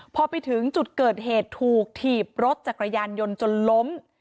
พอไปถึงจุดเกิดเหตุถูกถีบรถจักรยานยนต์จนล้ม